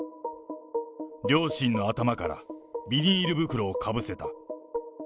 両親の頭からビニール袋をかぶせた。